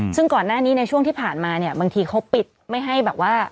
ซึ่งก่อนหน้านี้ในช่วงที่ผ่านมาเนี่ยบางทีเขาปิดไม่ให้แบบว่า